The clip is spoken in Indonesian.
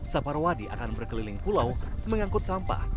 sapar wadi akan berkeliling pulau mengangkut sampah